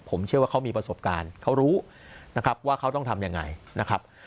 ผมเชื่อว่าเขามีประสบการณ์เขารู้นะครับว่าเขาต้องทำยังไงนะครับ